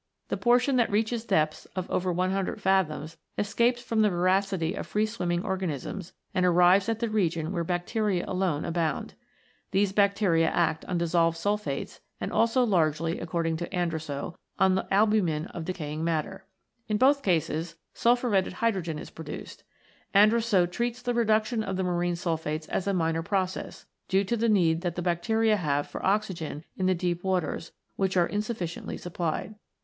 The portion that reaches depths of over 100 fathoms escapes from the voracity of free swimming organisms and arrives at the region where bacteria alone abound. These bacteria act on dissolved sulphates, and also largely, according to Andrussow, on the albumen of the iv] CLAYS, SHALES, AND SLATES 85 decaying matter. In both cases, sulphuretted hydro gen is produced. Andrussow treats the reduction of the marine sulphates as a minor process, due to the need that the bacteria have for oxygen in the deep waters, which are insufficiently supplied.